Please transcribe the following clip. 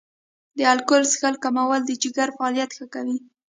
د الکول څښل کمول د جګر فعالیت ښه کوي.